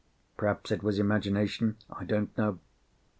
Perhaps it was imagination. I don't know.